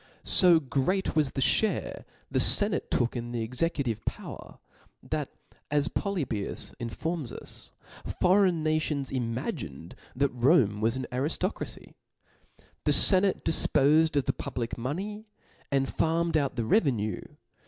So great was th6 (hate the fenate took in the exe C)Book6.cmive power, that, as Poly bias (^) informs us^ foreign Nations ifnaginfed that Rcmte was an arifto fcracy. The fenate difpofed ctf the public money; dnd farmed out the revenue!